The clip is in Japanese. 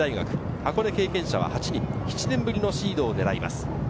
箱根経験者は８人、７年ぶりのシードを狙います。